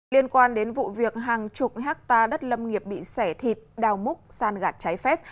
liên quan đến vụ việc hàng chục hectare đất lâm nghiệp bị xẻ thịt đào múc san gạt trái phép